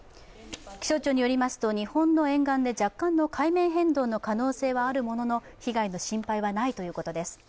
気象庁によりますと、日本の沿岸で若干の海面変動の可能性はあるものの、被害の心配はないということです。